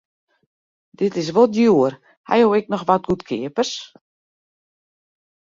Dit is wol djoer, ha jo ek noch wat goedkeapers?